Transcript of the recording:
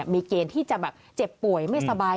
มีเกณฑ์ที่จะแบบเจ็บป่วยไม่สบาย